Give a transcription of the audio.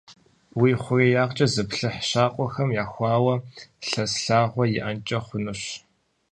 Уи хъуреягъкӏэ зыплъыхь, щакӏуэхэм яхуауэ лъэс лъагъуэ иӏэнкӏэ хъунущ.